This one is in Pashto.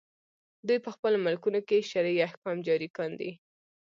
دوی په خپلو ملکونو کې شرعي احکام جاري کاندي.